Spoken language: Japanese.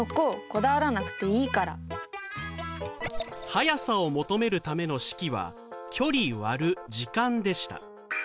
「速さ」を求めるための式は「距離」割る「時間」でした。